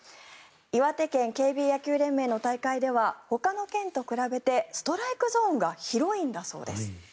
岩手県ＫＢ野球連盟の大会ではほかの県と比べてストライクゾーンが広いんだそうです。